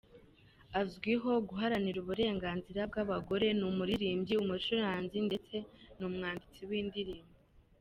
Azwiho guharanira uburenganzira bw’ abagore, ni umuririmbyi, umucuranzi ndetse n’ umwanditsi w’ indirimbo.